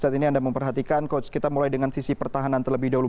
saat ini anda memperhatikan coach kita mulai dengan sisi pertahanan terlebih dahulu